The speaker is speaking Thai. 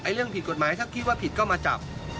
เรื่องผิดกฎหมายถ้าคิดว่าผิดก็มาจับ